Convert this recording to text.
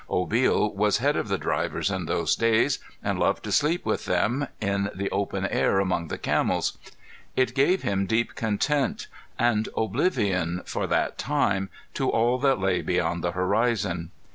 Obil was head of the drivers in those days, and loved to sleep with them in the open air among the camels. It gave him deep content and oblivion for that time to all that lay beyond the horizon.